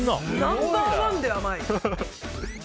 ナンバー１で甘い。